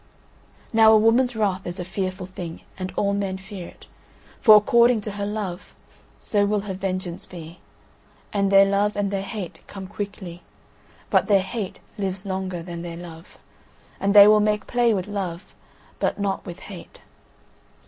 Now a woman's wrath is a fearful thing, and all men fear it, for according to her love, so will her vengeance be; and their love and their hate come quickly, but their hate lives longer than their love; and they will make play with love, but not with hate.